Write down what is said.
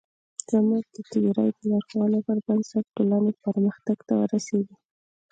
زموږ د تیورۍ د لارښوونو پر بنسټ ټولنې پرمختګ ته ورسېږي.